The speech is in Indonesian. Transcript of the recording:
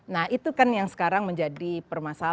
nah itu kan yang sekarang menjadi permasalahan